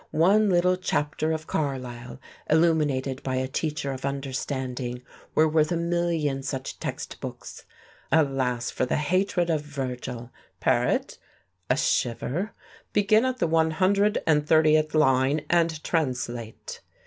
One little chapter of Carlyle, illuminated by a teacher of understanding, were worth a million such text books. Alas, for the hatred of Virgil! "Paret" (a shiver), "begin at the one hundred and thirtieth line and translate!"